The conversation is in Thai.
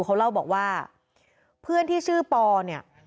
เขาเล่าบอกว่าเพื่อนที่ชื่อปอเนี่ย